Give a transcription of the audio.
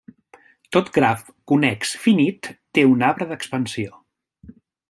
Tot graf connex finit té un arbre d'expansió.